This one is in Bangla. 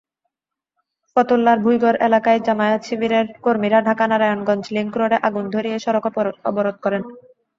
ফতুল্লার ভুঁইগড় এলাকায় জামায়াত-শিবিরের কর্মীরা ঢাকা-নারায়ণগঞ্জ লিংকরোডে আগুন ধরিয়ে সড়ক অবরোধ করেন।